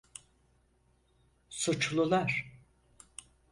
Suçlular.